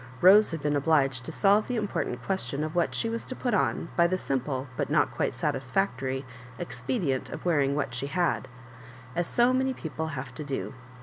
Rose bad been obliged to solve the important ques tion of what she was to put on, by the simple, but not quite satisfactory, expedient of wearing what she had, as so many people have to do.